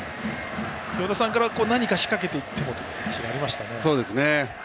与田さんから何か仕掛けていきたいというお話がありましたね。